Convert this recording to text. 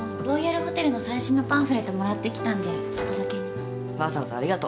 ロイヤルホテルの最新のパンフレットもらってきたんでお届けに。